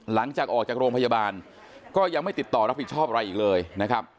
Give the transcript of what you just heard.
หลังจากออกจากโรงพยาบาลก็ยังไม่ติดต่อรับผิดชอบอะไรอีกเลยนะครับ